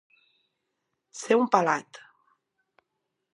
Ser un pelat.